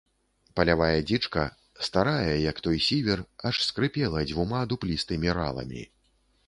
Палявая дзічка, старая, як той сівер, аж скрыпела дзвюма дуплістымі раламі.